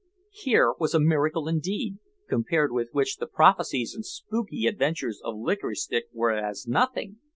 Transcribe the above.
Here was a miracle indeed, compared with which the prophecies and spooky adventures of Licorice Stick were as nothing.